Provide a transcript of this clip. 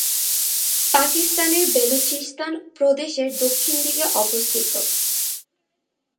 পাকিস্তানের বেলুচিস্তান প্রদেশ এর দক্ষিণ দিকে অবস্থিত।